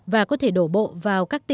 và có thể đổ bộ vào các cấp gió